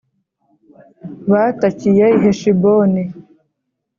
Batakiye i Heshiboni